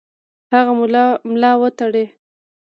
هغه ملا وتړي.